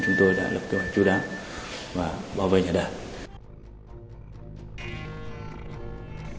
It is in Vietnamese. chúng tôi đã lập kế hoạch chú đáo và bao vây nhà đảng